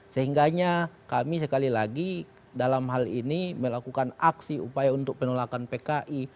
sehingganya kami sekali lagi dalam hal ini melakukan aksi upaya untuk penolakan pki